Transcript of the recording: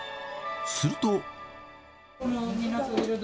すると。